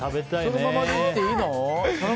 そのままいっていいの？